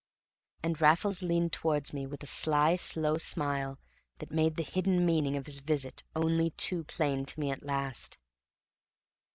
And Raffles leaned towards me with a sly, slow smile that made the hidden meaning of his visit only too plain to me at last.